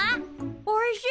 おいしい。